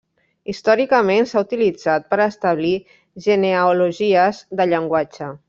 Històricament s'ha utilitzat per establir genealogies de llenguatge.